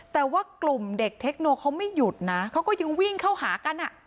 แต่ว่ากลุ่มเด็กเทคโนเขาไม่หยุดนะเขาก็ยังวิ่งเข้าหากันอ่ะ